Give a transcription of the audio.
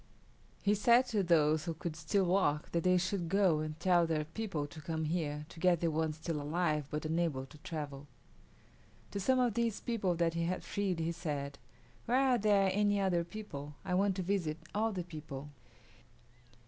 He said to those who could still walk that they should go and tell their people to come here, to get the ones still alive but unable to travel. To some of these people that he had freed he said, "Where are there any other people? I want to visit all the people."